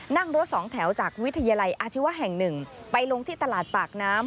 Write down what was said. นั่งรถสองแถวจากวิทยาลัยอาชีวะแห่งหนึ่งไปลงที่ตลาดปากน้ำ